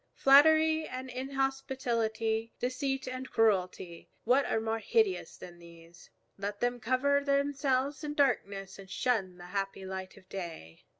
Flattery and inhospitality, deceit and cruelty, what are more hideous than these? Let them cover themselves in darkness and shun the happy light of day.